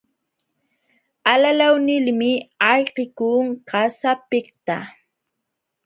Alalaw nilmi ayqikun qasapiqta.